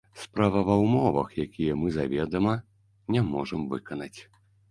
Справа ва ўмовах, якія мы заведама не можам выканаць!